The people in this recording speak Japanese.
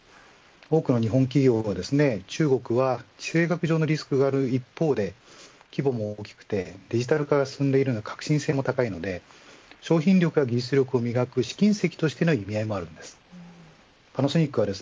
多くの日本企業が、中国は地政学上のリスクがある一方で規模も大きくてデジタル化が進んでいて革新性も高いので商品力や技術力を磨く試金石としての意味合いもあります。